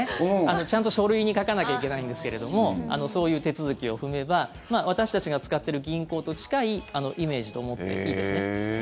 ちゃんと書類に書かなきゃいけないんですけどもそういう手続きを踏めば私たちが使ってる銀行と近いイメージと思っていいですね。